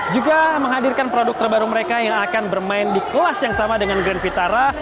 juga menghadirkan produk terbaru mereka yang akan bermain di kelas yang sama dengan grand vitara